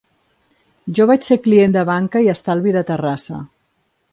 Jo vaig ser client de Banca i Estalvi de Terrassa.